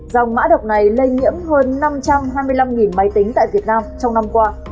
dòng mã độc này lây nhiễm hơn năm trăm hai mươi năm máy tính tại việt nam trong năm qua